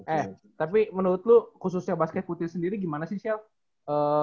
eh tapi menurut lu khususnya basket putri sendiri gimana sih chef